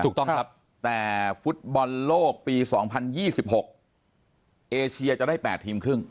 ถูกต้องครับแต่ฟุตบอลโลกปี๒๐๒๖เอเชียจะได้๘ทีมครึ่ง